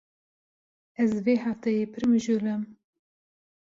Ez vê hefteyê pir mijûl im.